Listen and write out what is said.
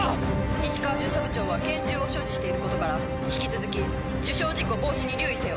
石川巡査部長は拳銃を所持していることから引き続き受傷事故防止に留意せよ。